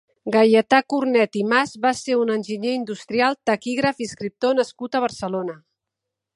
Gaietà Cornet i Mas va ser un enginyer industrial, taquígraf i escriptor nascut a Barcelona.